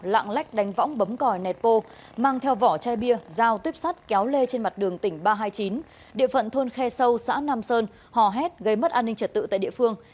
lạng lách đánh võng bấm còi nẹt bô mang theo vỏ chai bia dao tuyếp sắt kéo lê trên mặt đường tỉnh ba trăm hai mươi chín địa phận thôn khe sâu xã nam sơn hò hét gây mất an ninh trật tự tại địa phương